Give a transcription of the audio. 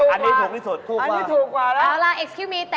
อันนี้ถูกในสุด